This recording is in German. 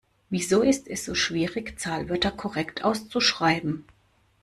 Wieso ist es so schwierig, Zahlwörter korrekt auszuschreiben?